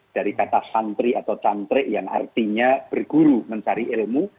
dari kata santri atau cantrek yang artinya berguru mencari ilmu